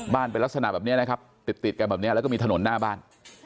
เป็นลักษณะแบบนี้นะครับติดกันแบบนี้แล้วก็มีถนนหน้าบ้าน